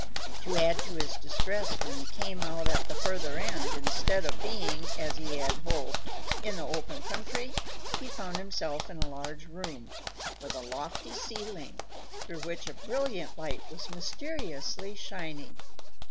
To add to his distress, when he came out at the further end, instead of being, as he had hoped, in the open country, he found himself in a large room, with a lofty ceiling, through which a brilliant light was mysteriously shining.